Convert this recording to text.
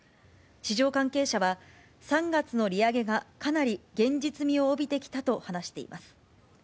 市場関係者は、３月の利上げがかなり現実味を帯びてきたと話しています。